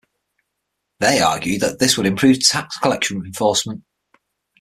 They argued that this would improve tax collection enforcement.